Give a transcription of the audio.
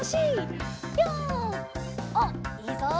おっいいぞ。